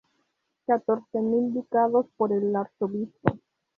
catorce mil ducados por el arzobispado